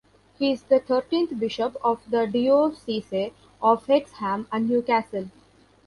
He is the thirteenth bishop of the Diocese of Hexham and Newcastle.